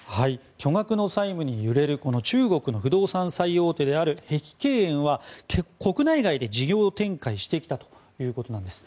巨額の債務に揺れる中国の不動産最大手である碧桂園は、国内外で事業展開してきたということです。